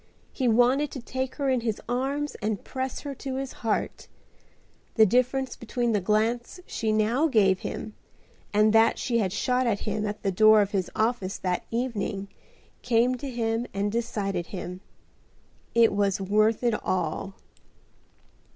He wanted to take her in his arms and press her to his heart. The difference between the glance she now gave him and that she had shot at him at the door of his office that evening came to him and decided him. It was worth it all.